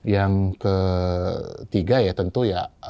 yang ketiga ya tentu ya